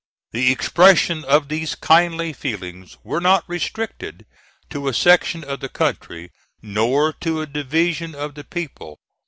The expression of these kindly feelings were not restricted to a section of the country, nor to a division of the people.